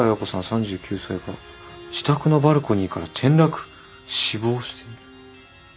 ３９歳が自宅のバルコニーから転落」「死亡して」